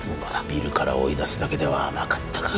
ビルから追い出すだけでは甘かったか。